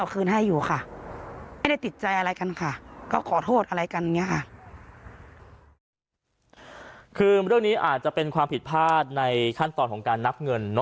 คือเรื่องนี้อาจจะเป็นความผิดพลาดในขั้นตอนของการนับเงิน